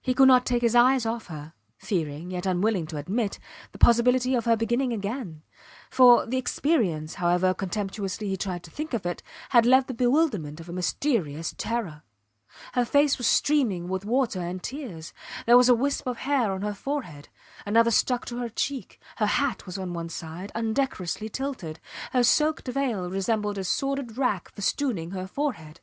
He could not take his eyes off her, fearing, yet unwilling to admit, the possibility of her beginning again; for, the experience, however contemptuously he tried to think of it, had left the bewilderment of a mysterious terror. Her face was streaming with water and tears; there was a wisp of hair on her forehead, another stuck to her cheek; her hat was on one side, undecorously tilted; her soaked veil resembled a sordid rag festooning her forehead.